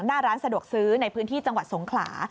หน้าร้านสะดวกซื้อในพื้นที่จังหวัดสงขลา